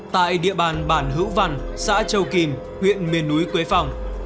tại địa bàn bản hữu văn xã châu kìm huyện miền núi quế phong